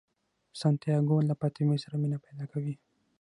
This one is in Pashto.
سانتیاګو له فاطمې سره مینه پیدا کوي.